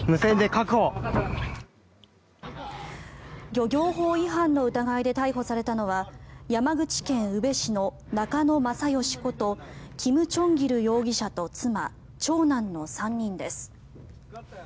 漁業法違反の疑いで逮捕されたのは山口県宇部市の中野政吉ことキム・チョンギル容疑者と妻長男の３人です。